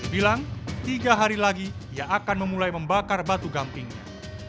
bilang tiga hari lagi ia akan memulai membakar batu gampingnya